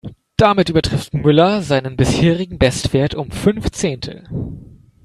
Damit übertrifft Müller seinen bisherigen Bestwert um fünf Zehntel.